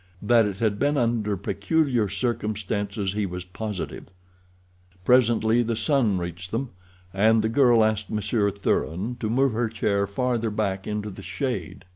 That it had been under peculiar circumstances he was positive. Presently the sun reached them, and the girl asked Monsieur Thuran to move her chair farther back into the shade.